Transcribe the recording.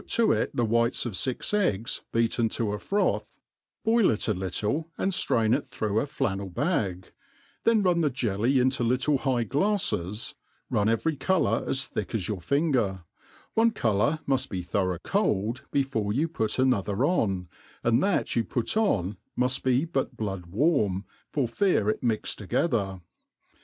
to it the whites of fix eggs beaten to a froth, boil it a little, and flrain it through a flannel bag, then run the jelly into little high glades, run every colour as thick as your nnger, one co* lour muft be thorough cold before you put another op, and that you put on muft be but blood warm, for fear it mix together.